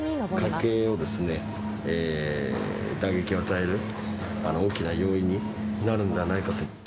家計に打撃を与える大きな要因になるんではないかと。